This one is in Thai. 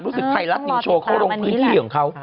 รู้สึกใจรัฐสินโชว์เข้าโรงพื้นที่ของเขา